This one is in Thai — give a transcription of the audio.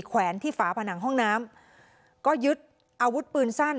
แวนที่ฝาผนังห้องน้ำก็ยึดอาวุธปืนสั้น